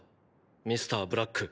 ミスターブラック。